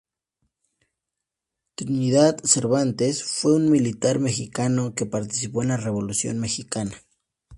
J. Trinidad Cervantes fue un militar mexicano que participó en la Revolución mexicana.